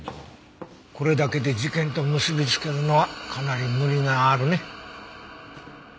これだけで事件と結びつけるのはかなり無理があるね。